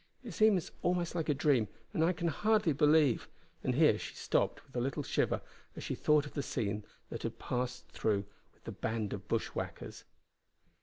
It seems almost like a dream, and I can hardly believe" and here she stopped with a little shiver as she thought of the scene she had passed through with the band of bushwhackers.